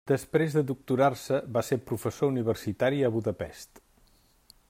Després de doctorar-se va ser professor universitari a Budapest.